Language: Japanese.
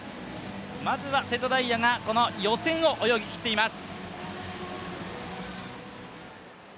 まずは瀬戸大也が予選を泳ぎきっています。